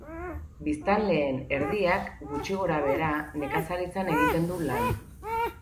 Biztanleen erdiak, gutxi gorabehera, nekazaritzan egiten du lan.